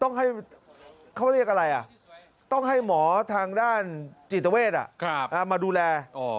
ต้องให้เขาเรียกอะไรอ่ะต้องให้หมอทางด้านจิตเวศมาดูแล